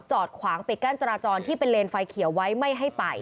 จอดขวางปิดกั้นจราจรที่เป็นเลนไฟเขียวไว้ไม่ให้ไป